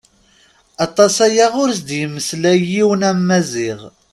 Aṭas aya ur as-d-yemmeslay yiwen am Maziɣ.